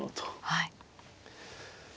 はい。